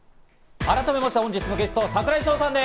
改めまして、本日のゲスト・櫻井翔さんです。